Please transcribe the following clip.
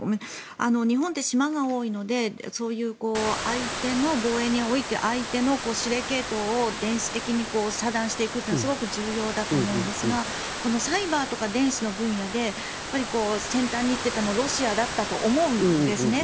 日本って島が多いのでそういう相手の防衛において相手の指令系統を電子的に遮断していくのはすごく重要だと思うんですがサイバーとか電子の分野で先端に行っているのはロシアだったと思うんですね。